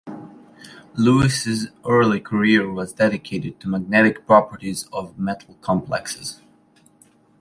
Lewis's early career was dedicated to magnetic properties of metal complexes.